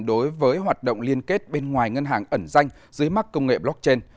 đối với hoạt động liên kết bên ngoài ngân hàng ẩn danh dưới mắc công nghệ blockchain